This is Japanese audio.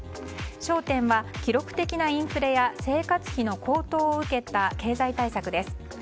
焦点は記録的なインフレや生活費の高騰を受けた経済対策です。